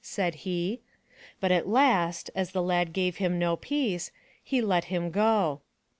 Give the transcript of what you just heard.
*' said he. But at last, as the lad gave him no peace, he let him go.